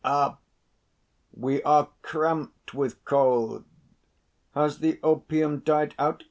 "Up! We are cramped with cold! Has the opium died out.